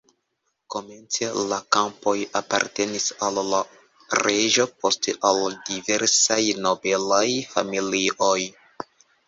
Komence la kampoj apartenis al la reĝo, poste al diversaj nobelaj familioj.